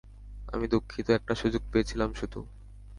আমি দুঃখিত, একটা সুযোগ পেয়েছিলাম শুধু!